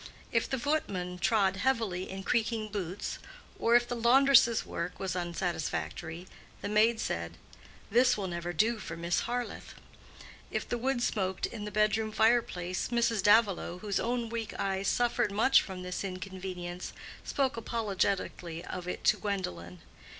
—if the footman trod heavily in creaking boots, or if the laundress's work was unsatisfactory, the maid said, "This will never do for Miss Harleth"; if the wood smoked in the bedroom fire place, Mrs. Davilow, whose own weak eyes suffered much from this inconvenience, spoke apologetically of it to Gwendolen.